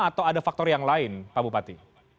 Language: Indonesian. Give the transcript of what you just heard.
atau ada faktor yang lain pak bupati